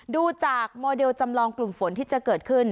ดูจากโมเดลจำลองกลุ่มฝนที่จะเกิดขึ้น